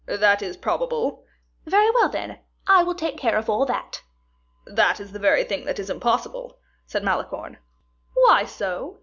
"That is probable." "Very well, then; I will take care of all that." "That is the very thing that is impossible," said Malicorne. "Why so?"